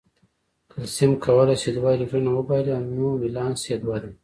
کلسیم کولای شي دوه الکترونونه وبایلي نو ولانس یې دوه دی.